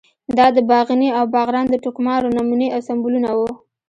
دا د باغني او باغران د ټوکمارو نمونې او سمبولونه وو.